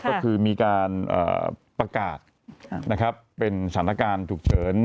ก็คือมีการประกาศเป็นสถานการณ์ฉุกเฉิน